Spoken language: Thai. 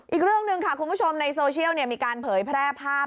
อีกเรื่องหนึ่งค่ะคุณผู้ชมในโซเชียลมีการเผยแพร่ภาพ